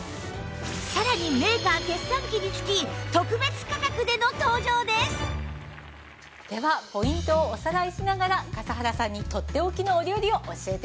さらにメーカー決算期につき特別価格での登場です！ではポイントをおさらいしながら笠原さんにとっておきのお料理を教えて頂きましょう！